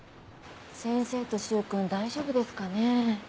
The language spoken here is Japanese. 先生と柊君大丈夫ですかね？